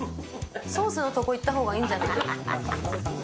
ソースの所いったほうがいいんじゃない。